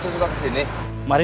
steri nggak sih kamu